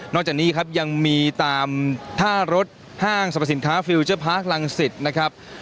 จากนี้ครับยังมีตามท่ารถห้างสรรพสินค้าฟิลเจอร์พาร์คลังศิษย์นะครับ